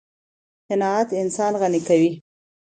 قناعت انسان غني کوي.